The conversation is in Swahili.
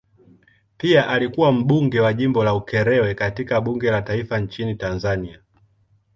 Pia alikuwa mbunge wa jimbo la Ukerewe katika bunge la taifa nchini Tanzania.